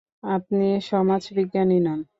আপনি সমাজবিজ্ঞানী নন।